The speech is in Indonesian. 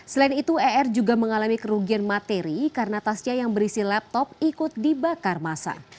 selain itu er juga mengalami kerugian materi karena tasnya yang berisi laptop ikut dibakar masa